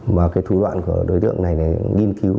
mà cái thủ đoạn của đối tượng này là nghiên cứu